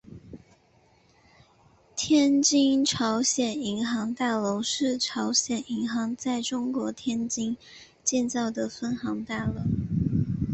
天津朝鲜银行大楼是朝鲜银行在中国天津建造的分行大楼。